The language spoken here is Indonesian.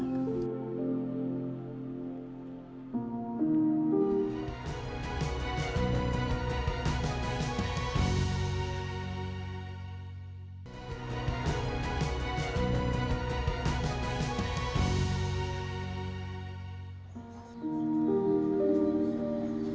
kenapa sih david